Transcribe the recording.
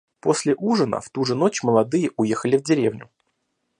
После ужина в ту же ночь молодые уехали в деревню.